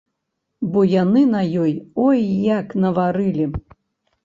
Бо яны на ёй ой як наварылі.